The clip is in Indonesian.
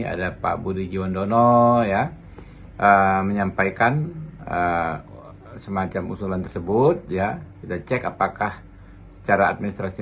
ada pak budi jundono ya menyampaikan semacam usulan tersebut ya kita cek apakah secara administrasi